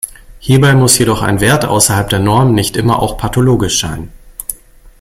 Hierbei muss jedoch ein Wert außerhalb der Norm nicht immer auch pathologisch sein.